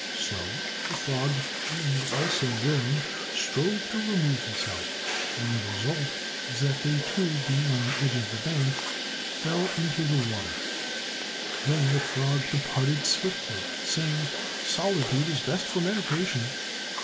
So the frog, being also willing, strove to remove himself, and the result was that they two, being on the edge of the bank, fell into the water. Then the frog departed swiftly, saying, "Solitude is best for meditation."